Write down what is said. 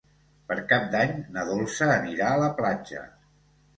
Per Cap d'Any na Dolça anirà a la platja.